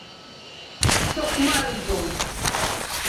Сыхәмарӡом.